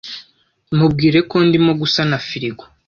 Mubwire ko ndimo gusana firigo.